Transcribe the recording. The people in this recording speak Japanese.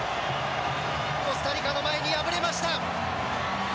コスタリカの前に敗れました。